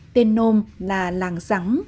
tên nôm là làng rắng tên chữ là làng thượng liệt